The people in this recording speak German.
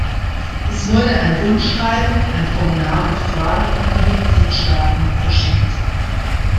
Es wurde ein Rundschreiben, ein Formular mit Fragen an die Mitgliedstaaten verschickt.